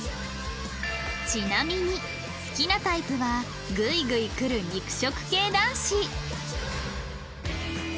ちなみに好きなタイプはグイグイ来る肉食系男子